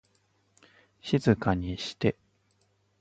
静かにして